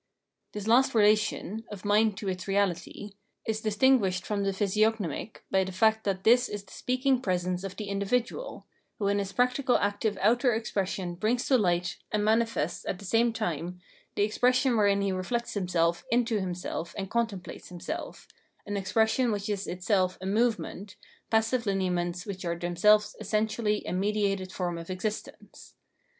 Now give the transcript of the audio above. This last relation [of mind to its reahty] is distin guished from the physiognomic by the fact that this is the speaking presence of the individual, who in his practical active outer expression brings to hght and manifests at the same time the expression wherein he reflects himself into himself and contemplates himself, an expression which is itself a movement, passive lineaments which are themselves essentially a mediated form of existence.